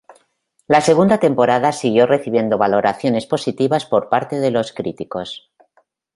La segunda temporada siguió recibiendo valoraciones positivas por parte de los críticos.